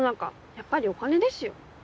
やっぱりお金ですよ。